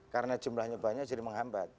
karena jumlahnya banyak jadi menghambat